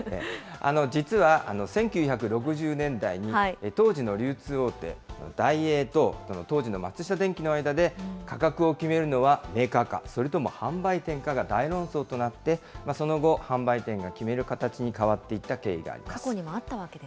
実は１９６０年代に、当時の流通大手、ダイエーと当時の松下電器の間で、価格を決めるのはメーカーか、それとも販売店かが大論争となって、その後、販売店が決める形に変わっていった経緯があります。